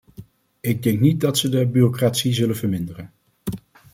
Ik denk niet dat ze de bureaucratie zullen verminderen.